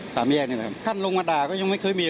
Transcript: ตามแยกนี้นะครับขั้นลงมาด่าก็ยังไม่เคยมี